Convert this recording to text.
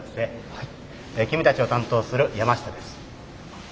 君たちを担当する山下です。